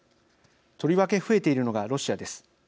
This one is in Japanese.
とりわけ増えているのがロシアです。